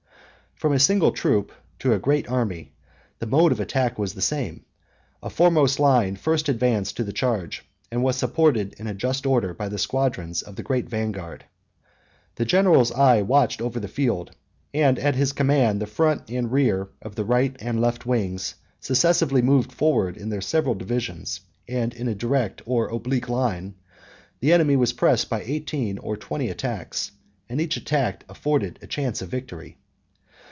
From a single troop to a great army, the mode of attack was the same: a foremost line first advanced to the charge, and was supported in a just order by the squadrons of the great vanguard. The general's eye watched over the field, and at his command the front and rear of the right and left wings successively moved forwards in their several divisions, and in a direct or oblique line: the enemy was pressed by eighteen or twenty attacks; and each attack afforded a chance of victory.